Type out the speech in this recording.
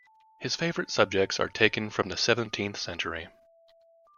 His favorite subjects are taken from the seventeenth century.